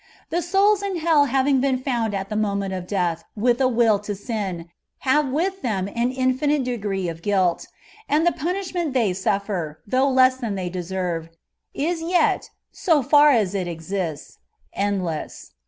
The souls in hell having been found at the moment of death wìth a will to sin, have with them an infinite degree of guilt ; and the punìshment they snfier, thongh less than they deserve, is yet, so far as it exists, endless.